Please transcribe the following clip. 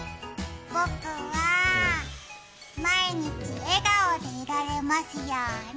僕は、まいにちえがおでいられますように。